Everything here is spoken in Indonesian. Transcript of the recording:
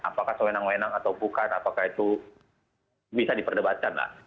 apakah sewenang wenang atau bukan apakah itu bisa diperdebatkan lah